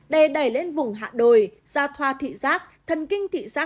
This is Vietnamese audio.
đề đẩy lên vùng hạ đồi dao thoa thị giác thần kinh thị giác